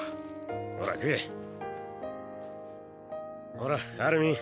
ほらアルミン。